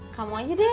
kamu aja deh